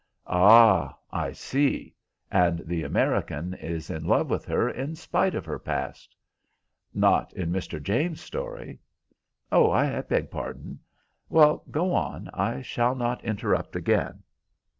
"Ah, I see; and the American is in love with her in spite of her past?" "Not in Mr. James's story." "Oh, I beg pardon. Well, go on; I shall not interrupt again."